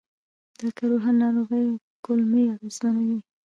د کروهن ناروغي کولمې اغېزمنوي.